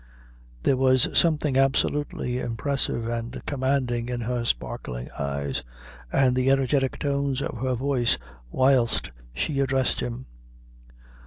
There was something absolutely impressive and commanding in her sparkling eyes, and the energetic tones of her voice, whilst she addressed him.